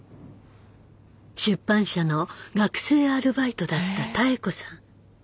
出版社の学生アルバイトだった妙子さん。